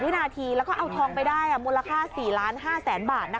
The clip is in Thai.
วินาทีแล้วก็เอาทองไปได้มูลค่า๔๕๐๐๐๐บาท